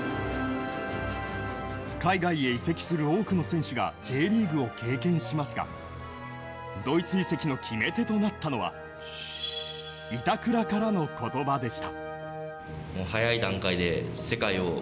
海外へ移籍する多くの選手がＪリーグを経験しますがドイツ移籍の決め手となったのは板倉からの言葉でした。